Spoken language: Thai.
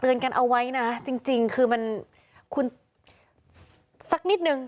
กันเอาไว้นะจริงคือมันคุณสักนิดนึง